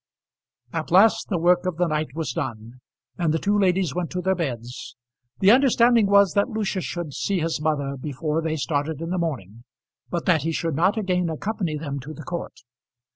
At last the work of the night was done, and the two ladies went to their beds. The understanding was that Lucius should see his mother before they started in the morning, but that he should not again accompany them to the court.